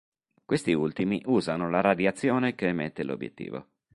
Questi ultimi usano la radiazione che emette l'obiettivo.